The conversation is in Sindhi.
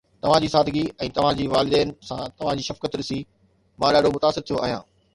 توهان جي سادگي ۽ توهان جي والدين سان توهان جي شفقت ڏسي مان ڏاڍو متاثر ٿيو آهيان